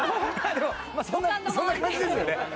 そんなそんな感じですよね。